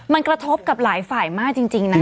มันกระทบกับหลายฝ่ายมากจริงนะคะ